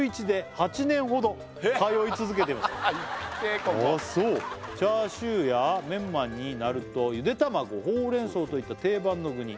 ここああそう「チャーシューやメンマになると」「ゆで卵ほうれんそうといった定番の具に」